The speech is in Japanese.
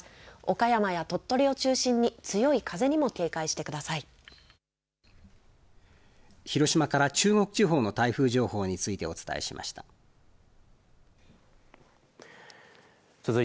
岡山や鳥取を中心に強い風にも警戒してください。